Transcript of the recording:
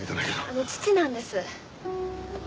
あの父なんです。